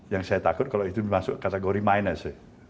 yang saya takut kalau itu masuk kategori minus